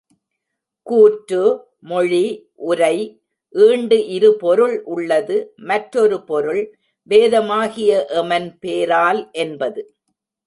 கூற்று—மொழி, உரை, ஈண்டு இருபொருள் உள்ளது—மற்றொரு பொருள் வேதமாகிய எமன் பேரால் —என்பது.